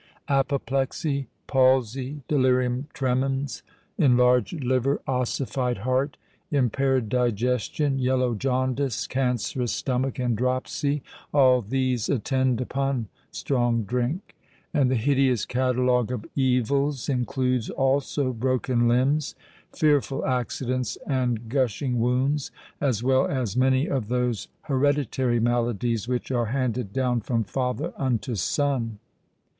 Apoplexy—palsy—delirium tremens—enlarged liver—ossified heart—impaired digestion—yellow jaundice—cancerous stomach—and dropsy,—all these attend upon strong drink. And the hideous catalogue of evils includes, also, broken limbs—fearful accidents and gushing wounds,—as well as many of those hereditary maladies which are handed down from father unto son!